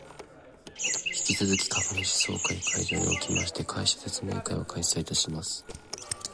引き続き株主総会会場におきまして、会社説明会を開催いたします